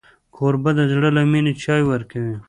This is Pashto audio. کوربه د زړه له مینې چای ورکوي.